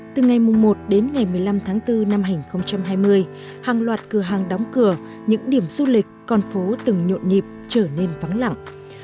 từ ngày một đến ngày một mươi năm tháng bốn năm hai nghìn hai mươi hàng loạt cửa hàng đóng cửa những điểm du lịch con phố từng nhộn nhịp trở nên vắng lặng